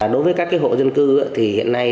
đối với các hộ dân cư hiện nay